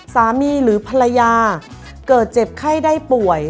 หรือภรรยาเกิดเจ็บไข้ได้ป่วย